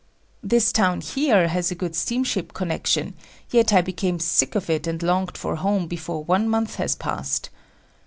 This town here has a good steamship connection, yet I became sick of it and longed for home before one month had passed.